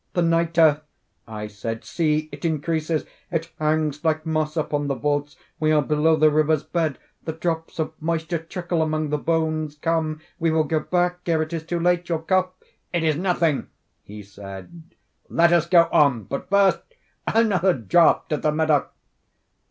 "The nitre!" I said: "see, it increases. It hangs like moss upon the vaults. We are below the river's bed. The drops of moisture trickle among the bones. Come, we will go back ere it is too late. Your cough—" "It is nothing," he said; "let us go on. But first, another draught of the Medoc."